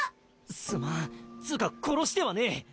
すまんつうか殺してはねえ。